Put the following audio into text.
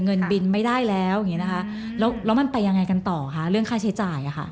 เงินบินไม่ได้แล้วอย่างนี้นะคะแล้วมันไปยังไงกันต่อคะเรื่องค่าใช้จ่ายอะค่ะ